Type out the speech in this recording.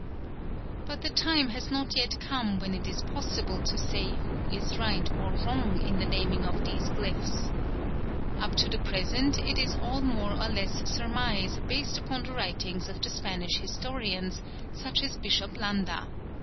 But the time has not yet come when it is possible to say who is right or wrong in the naming of these glyphs. Up to the present it is all more or less surmise based upon the writings of the Spanish historians such as Bishop Landa.